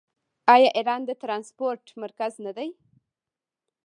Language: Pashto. آیا ایران د ټرانسپورټ مرکز نه دی؟